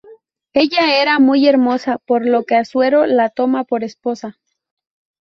Ella era muy hermosa por lo que Asuero la toma por esposa.